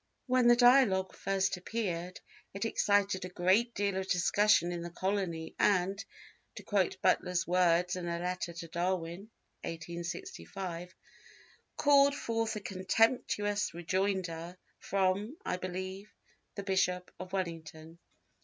When the Dialogue first appeared it excited a great deal of discussion in the colony and, to quote Butler's words in a letter to Darwin (1865), "called forth a contemptuous rejoinder from (I believe) the Bishop of Wellington."